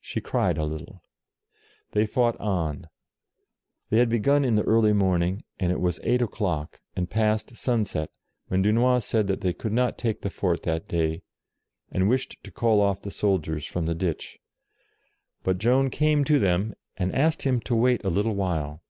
She cried a little. They fought on : they had begun in the early morning, and it was eight o'clock, and past sunset, when Dunois said that they could not take the fort that day, and wished to call off the soldiers from the ditch. But Joan came to him, and asked him to wait a little while.